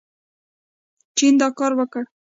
چین دا کار وکړ.